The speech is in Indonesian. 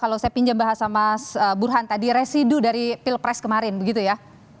kalau saya pinjam bahasa mas burhan tadi residu dari pilpres kemarin begitu ya